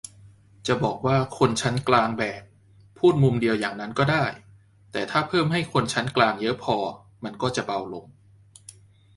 จะบอกว่า "คนชั้นกลางแบก" พูดมุมเดียวอย่างนั้นก็ได้ แต่ถ้าเพิ่มให้คนชั้นกลางเยอะพอ มันก็จะเบาลง